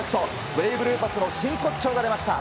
ブレイブルーパスの真骨頂が出ました。